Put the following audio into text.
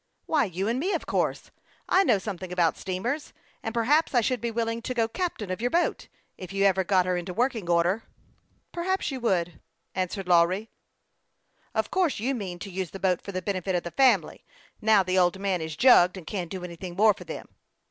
" Why, you and me, of course. I know something about steamers, and perhaps I should be willing to go captain of your boat, if you ever get her into working order." 128 HASTE AND WASTE, OR " Perhaps you would," answered Lawry, greatly refreshed by this cool proposition. " Of course you mean to use the boat for the benefit of the family, now the old man is jugged, and can't do anything more for them."